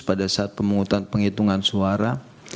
pada saat pemungutan penghitungan suara